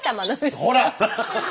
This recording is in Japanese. ほら！